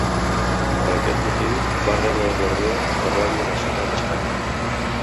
Per aquest motiu va rebre un guardó de Ràdio Nacional d'Espanya.